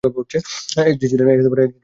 এক যে ছিলেন রাজা।